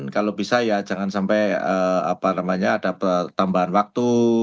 kalau bisa ya jangan sampai ada tambahan waktu